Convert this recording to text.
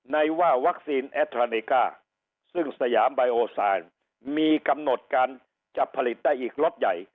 ในว่าวัคซีนซึ่งมีกำหนดการจะผลิตได้อีกรถใหญ่